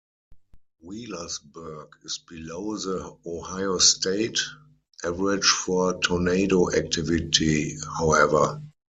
Wheelersburg is below the Ohio state average for tornado activity, however.